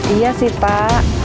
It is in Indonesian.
iya sih pak